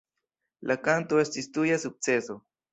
La kanto estis tuja sukceso.